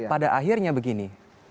pada akhirnya begini